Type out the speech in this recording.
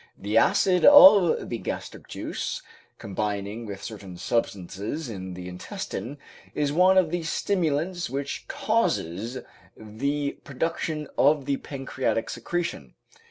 The acid of the gastric juice, combining with certain substances in the intestine, is one of the stimulants which causes the production of the pancreatic secretion.